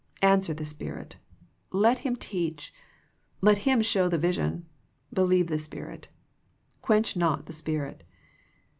Answer the Spirit. Let Him teach. Let Him show the vision. Believe the Spirit. " Quench not the Spirit."